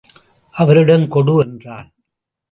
அவரிடம் கொடு என்றான்.